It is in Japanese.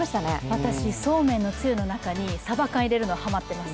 私、そうめんのつゆの中にさば缶入れるのハマってます。